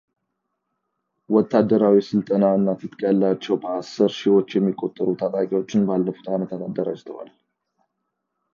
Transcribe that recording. ወታደራዊ ሥልጠና እና ትጥቅ ያላቸው በአስር ሺህዎች የሚቆጠሩ ታጣቂዎችን ባለፉት ዓመታት አደራጅተዋል።